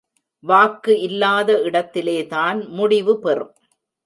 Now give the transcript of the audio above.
வாக்கு இல்லாத இடத்திலேதான் முடிவு பெறும்.